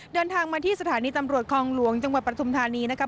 เดินทางมาที่สถานีตำรวจคลองหลวงจังหวัดปฐุมธานีนะครับ